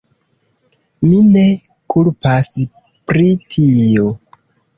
Mi ne kulpas pri tio.